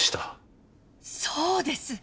そうです。